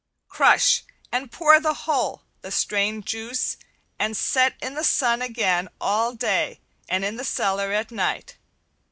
Crush and pour the whole, the strained juice, and set in the sun again all day and in the cellar at night.